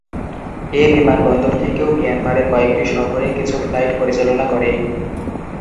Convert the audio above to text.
এ বিমানবন্দর থেকেও মিয়ানমারের কয়েকটি শহরে কিছু ফ্লাইট পরিচালনা করে।